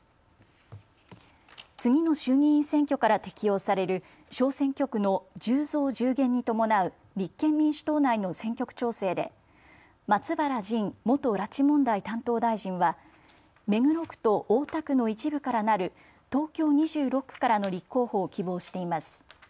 次の衆議院選挙から適用される小選挙区の１０増１０減に伴う立憲民主党内の選挙区調整で松原仁元拉致問題担当大臣は目黒区と大田区の一部からなる東京２６区からの立候補を希望しています。